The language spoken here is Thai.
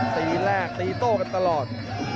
ตีแรกตีโต้กันตลอด